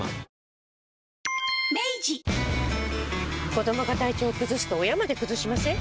子どもが体調崩すと親まで崩しません？